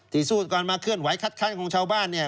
ที่สู้การมาเคลื่อนไหวคัดคันของชาวบ้านเนี่ย